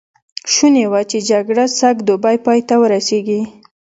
شوني وه چې جګړه سږ دوبی پای ته ورسېږي.